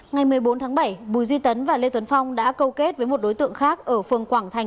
ngày một mươi bốn tháng bảy bùi duy tấn và lê tuấn phong đã câu kết với một đối tượng khác ở phường quảng thành